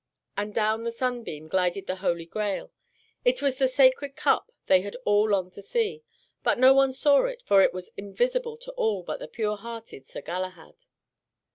And down the sunbeam glided the Holy Grail. It was the Sacred Cup they had all longed to see. But no one saw it, for it was invisible to all but the pure hearted Sir Galahad.